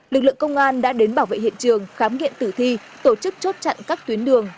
lực lượng công an đã đến bảo vệ hiện trường khám nghiệm tử thi tổ chức chốt chặn các tuyến đường